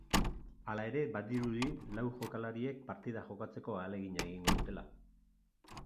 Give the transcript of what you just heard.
Hala ere badirudi lau jokalariek partida jokatzeko ahalegina egingo dutela.